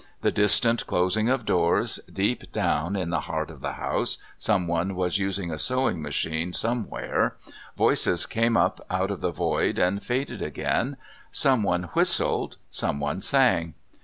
The distant closing of doors, deep down in the heart of the house someone was using a sewing machine somewhere, voices came up out of the void and faded again, someone whistled, someone sang.